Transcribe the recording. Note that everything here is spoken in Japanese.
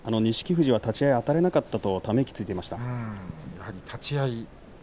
富士関は立ち合いあたれなかったとため息をついていました。